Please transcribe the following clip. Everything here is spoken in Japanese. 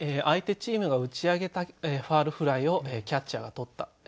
相手チームが打ち上げたファウルフライをキャッチャーが捕った。